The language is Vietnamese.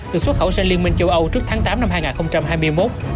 được xuất khẩu sang liên minh châu âu trước tháng tám năm hai nghìn hai mươi một